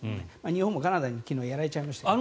日本もカナダに昨日、やられちゃいましたけど。